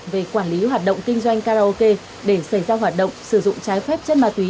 về quản lý hoạt động kinh doanh karaoke để xảy ra hoạt động sử dụng trái phép chất ma túy